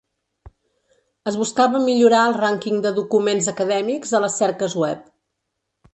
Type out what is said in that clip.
Es buscava millorar el rànquing de documents acadèmics a les cerques web.